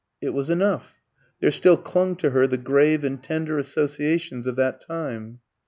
It was enough; there still clung to her the grave and tender associations of that time.